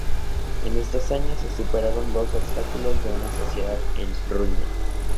En estos años se superaron duros obstáculos de una sociedad en ruina.